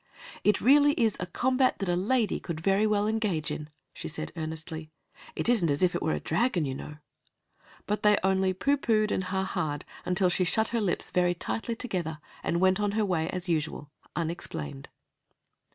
"It really is a combat that a lady could very well engage in," she said earnestly. "It isn't as if it were a dragon, you know." But they only pooh poohed and ha haed until she shut her lips very tightly together, and went on her way as usual, unexplained.